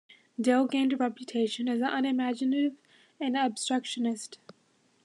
Dill gained a reputation as unimaginative and obstructionist.